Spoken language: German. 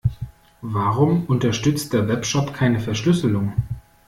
Warum unterstützt der Webshop keine Verschlüsselung?